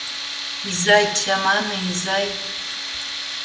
Изай, чамане, изай.